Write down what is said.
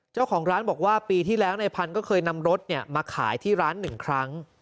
เจ้าของร้านบอกว่า